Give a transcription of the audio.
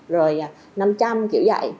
rồi năm trăm kiểu vậy